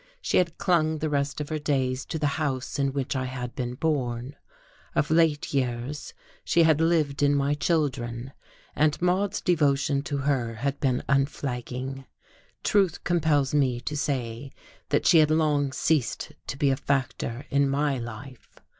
She had clung the rest of her days to the house in which I had been born. Of late years she had lived in my children, and Maude's devotion to her had been unflagging. Truth compels me to say that she had long ceased to be a factor in my life.